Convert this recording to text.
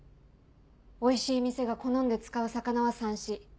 「おいしい店が好んで使う魚はさんし」。